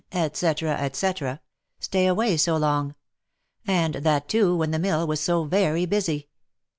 &c, &c, stay away so long, and that too, when the mill was so very busy.